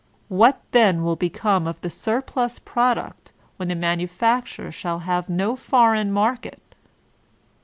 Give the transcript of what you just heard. What then win become of the surplus product when the manu facturer shall have no foreign market?